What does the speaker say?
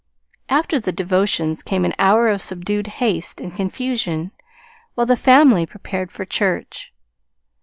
After the devotions came an hour of subdued haste and confusion while the family prepared for church.